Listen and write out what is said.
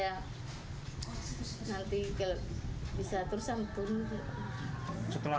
nanti bisa terusan